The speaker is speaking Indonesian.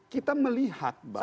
kita melihat bahwa